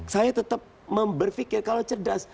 saya tetap berpikir kalau cerdas